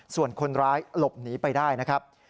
ส่วนคนร้ายหลบหนีไปได้นะครับ